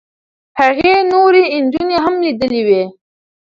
هغې نورې نجونې هم لیدلې وې.